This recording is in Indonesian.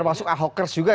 termasuk ahokers juga ya